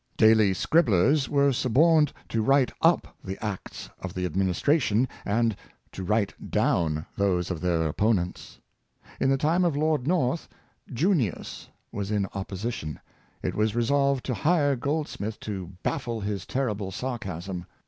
Daily scribblers were suborned to write up the acts of the administration, and to write down those of their opponents. In the time of Lord North, ''Junius " was in opposition. It was resolved to hire Goldsmith to bafile his terrible sarcasm.